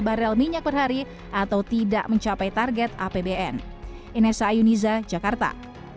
barel minyak per hari atau tidak mencapai target apbn inessa ayuniza jakarta